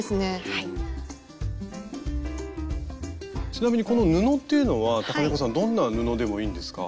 ちなみにこの布っていうのはｔａｋａｎｅｃｏさんどんな布でもいいんですか？